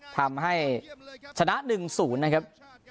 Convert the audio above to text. ทำให้ชนะ๑๐นะครับ